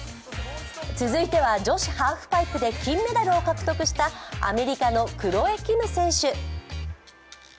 続いては女子ハーフパイプで金メダルを獲得したアメリカのクロエ・キム選手。